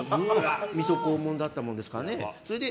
水戸黄門だったものですからね。